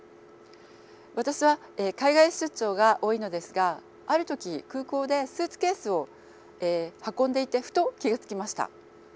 私は海外出張が多いのですがある時空港でスーツケースを運んでいてふと気が付きました。